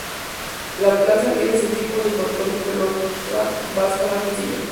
La plaza libre es el tipo de frontón de pelota vasca más sencillo.